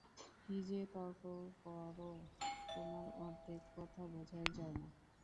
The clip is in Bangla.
কী যে তর্ক কর, তোমার অর্ধেক কথা বোঝাই যায় না।